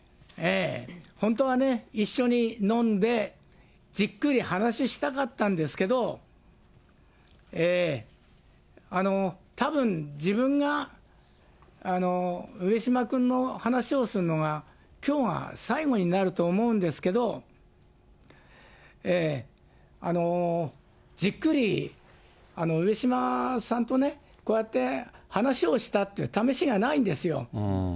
本当はね、一緒に飲んで、じっくり話したかったんですけど、たぶん、自分が上島君の話をするのが、きょうが最後になると思うんですけど、じっくり上島さんとね、こうやって、話をしたってためしがないんですよ。